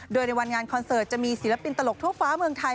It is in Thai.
โดยในวันงานคอนเสิร์ตจะมีศิลปินตลกทั่วฟ้าเมืองไทย